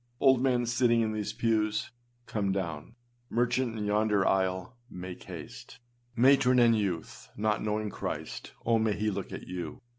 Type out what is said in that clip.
Old man, sitting in these pews, come down. Merchant in yonder aisle, make haste. Matron and youth, not knowing Christ, oh, may he look at you.